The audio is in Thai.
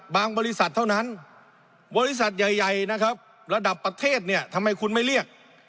บางบริษัทเท่านั้นบริษัทใหญ่ระดับประเทศทำไมคุณไม่เรียก